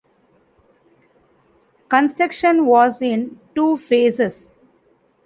Construction was in two phases.